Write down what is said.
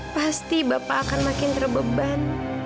pasti bapak akan makin terbeban